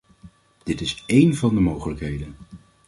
Dit is één van de mogelijkheden.